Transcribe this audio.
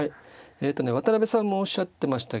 えっとね渡辺さんもおっしゃってましたけども